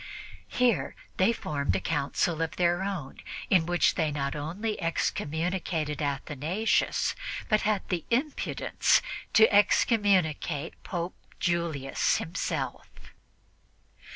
Here they formed a council of their own, in which they not only excommunicated Athanasius, but had the impudence to "excommunicate" Pope Julius himself.